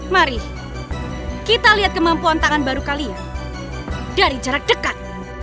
mari kita lihat kemampuan tangan baru kalian dari jarak dekat